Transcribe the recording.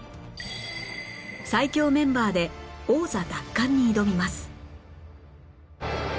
最強メンバーで王座奪還に挑みます